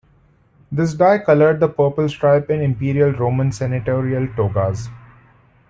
This dye colored the purple stripe in Imperial Roman Senatorial togas.